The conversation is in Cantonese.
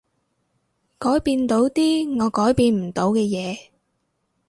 改變到啲我改變唔到嘅嘢